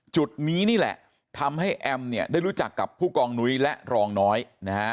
จุดนี้นี่แหละทำให้แอมเนี่ยได้รู้จักกับผู้กองนุ้ยและรองน้อยนะฮะ